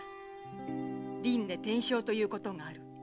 「輪廻転生ということがある。